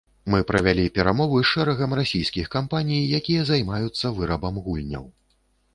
Мы правялі перамовы з шэрагам расійскіх кампаній, якія займаюцца вырабам гульняў.